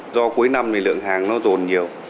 do cuối năm thì lượng hàng nó rồn nhiều